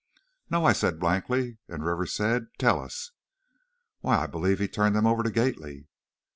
"No," I said, blankly, and Rivers said, "Tell us." "Why, I believe he turned them over to Gately."